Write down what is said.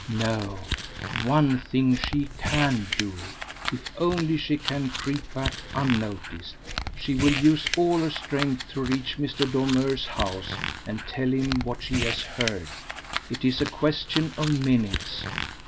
No one thing she can do, if only she can creep back unnoticed. She will use all her strength to reach Mr. Dormeur's house, and tell him what she has heard. It is a question of minutes.